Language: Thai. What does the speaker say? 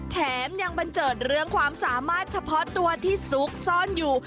แถมยังบันเจิดเรื่องความสามารถเฉพาะตัวที่ซุกซ่อนอยู่